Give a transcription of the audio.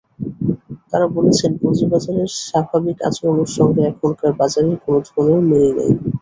তাঁরা বলছেন, পুঁজিবাজারের স্বাভাবিক আচরণের সঙ্গে এখনকার বাজারের কোনো ধরনের মিল নেই।